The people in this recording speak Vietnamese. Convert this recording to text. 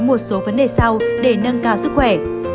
một số vấn đề sau để nâng cao sức khỏe